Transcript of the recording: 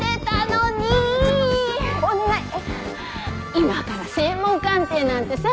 今から声紋鑑定なんてさ。